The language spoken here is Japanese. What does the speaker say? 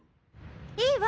いいわ！